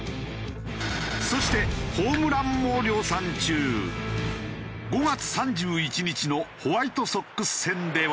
そして５月３１日のホワイトソックス戦では。